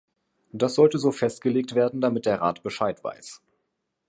Das sollte so festgelegt werden, damit der Rat Bescheid weiß.